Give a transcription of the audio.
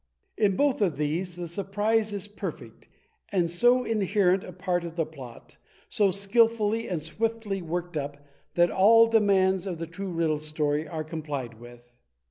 In both of these, the surprise is perfect, and so inherent a part of the plot, so skillfully and swiftly worked up, that all demands of the true Riddle Story are complied with.